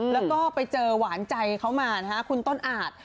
แล้วก็ไปเจอหวานใจเขามานะฮะคุณต้นอาจ